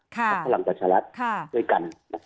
กับฝรั่งประชาลัดด้วยกัน